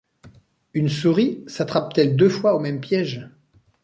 Une souris s’attrape-t-elle deux fois au même piége?